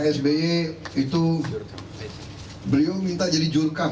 pak sby itu beliau minta jadi julkam